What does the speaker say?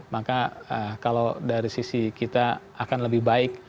maka kalau dari sisi kita akan lebih baik